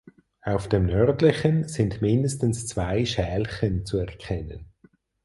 Auf dem nördlichen sind mindestens zwei Schälchen zu erkennen.